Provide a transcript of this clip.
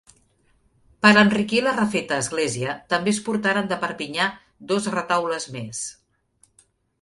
Per enriquir la refeta església també es portaren de Perpinyà dos retaules més.